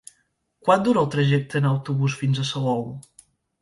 Quant dura el trajecte en autobús fins a Salou?